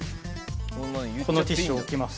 このティッシュを置きます。